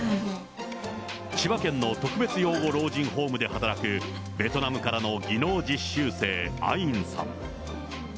千葉県の特別養護老人ホームで働くベトナムからの技能実習生、アインさん。